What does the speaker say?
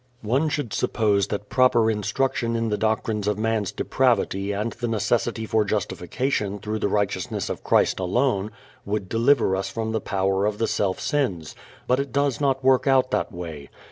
One should suppose that proper instruction in the doctrines of man's depravity and the necessity for justification through the righteousness of Christ alone would deliver us from the power of the self sins; but it does not work out that way.